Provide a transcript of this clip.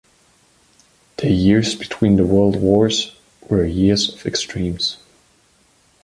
The years between the World Wars were years of extremes.